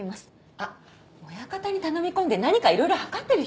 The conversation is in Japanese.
あっ親方に頼み込んで何かいろいろ量ってる人？